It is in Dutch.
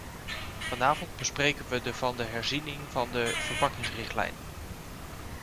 Vanavond bespreken we de van de herziening van de verpakkingsrichtlijn.